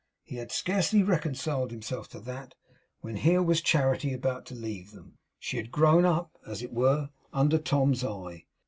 He had scarcely reconciled himself to that when here was Charity about to leave them. She had grown up, as it were, under Tom's eye.